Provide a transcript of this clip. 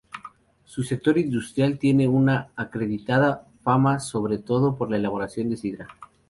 Su sector industrial tiene una acreditada fama sobre todo por la elaboración de sidra.